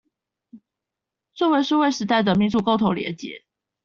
作為數位時代的民主共同連結